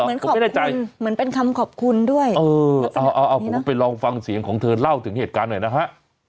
เหมือนขอบคุณเหมือนเป็นคำขอบคุณด้วยเอาผมไปลองฟังเสียงของเธอเล่าถึงเหตุการณ์หน่อยนะคะ